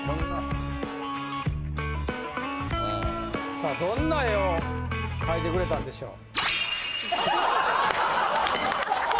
さあどんな絵を描いてくれたんでしょう。